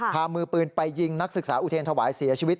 พามือปืนไปยิงนักศึกษาอุเทรนธวายเสียชีวิต